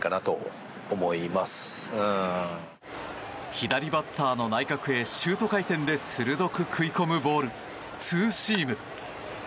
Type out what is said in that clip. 左バッターの内角へシュート回転で鋭く食い込むボールツーシーム。